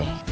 eh pak rt